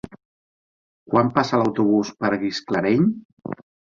Quan passa l'autobús per Gisclareny?